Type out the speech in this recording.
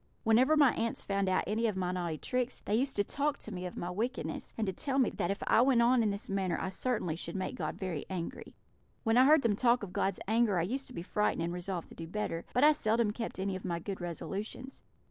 Whenever my aunts found out any of my naughty tricks, they used to talk to me of my wickedness, and to tell me that if I went on in this manner I certainly should make God very angry. When I heard them talk of God's anger I used to be frightened, and resolved to do better; but I seldom kept any of my good resolutions.